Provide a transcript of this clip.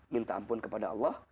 minta ampun kepada allah